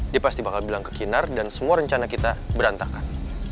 dia pasti bakal bilang ke kinar dan semua rencana kita berantakan